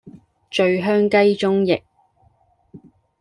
醉香雞中翼